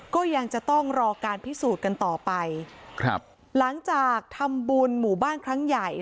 ก็ยังจะต้องรอการพิสูจน์กันต่อไปครับหลังจากทำบุญหมู่บ้านครั้งใหญ่